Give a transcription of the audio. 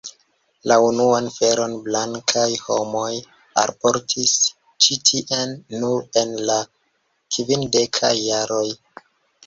La unuan feron blankaj homoj alportis ĉi tien nur en la kvindekaj jaroj.